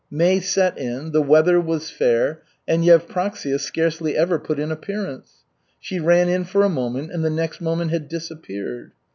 May set in, the weather was fair, and Yevpraksia scarcely ever put in appearance. She ran in for a moment and the next moment had disappeared.